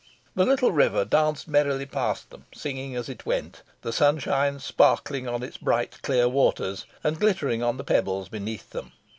The little river danced merrily past them, singing as it went, the sunshine sparkling on its bright clear waters, and glittering on the pebbles beneath them.